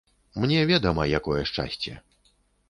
Мне ведама, якое шчасце.